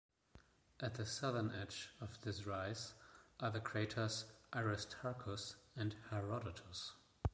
At the southern edge of this rise are the craters Aristarchus and Herodotus.